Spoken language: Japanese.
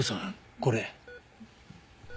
これ。